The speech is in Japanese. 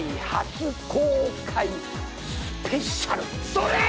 それ！